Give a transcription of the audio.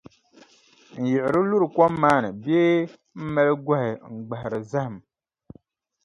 N-yiɣiri luri kom maa ni bee m-mali gɔhi n-gbahiri zahim.